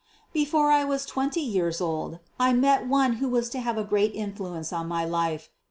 Before I was twenty years old I met one who was to have a great influence on my life.